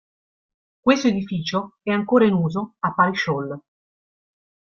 Questo edificio è ancora in uso a Parish Hall.